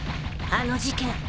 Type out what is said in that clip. あの事件。